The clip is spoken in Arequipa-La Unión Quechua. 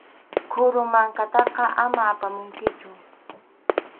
Qhuru mankataqa ama apamunkichu.